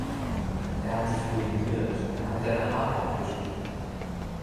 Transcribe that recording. „Er hat Dich ruiniert“, er hat Deine Haare abgeschnitten!